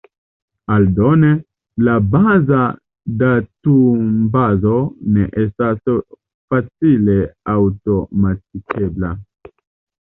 Aldone, la baza datumbazo ne estas facile aŭtomatigebla.